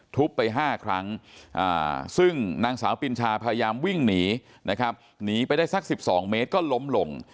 ไป๕ครั้งซึ่งนางสาวปินชาพยายามวิ่งหนีนะครับหนีไปได้สัก๑๒เมตรก็ล้มลง